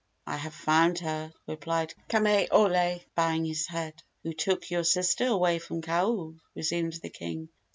"I have found her," replied Kamaiole, bowing his head. "Who took your sister away from Kau?" resumed the king.